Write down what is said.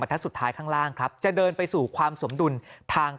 ทัศนสุดท้ายข้างล่างครับจะเดินไปสู่ความสมดุลทาง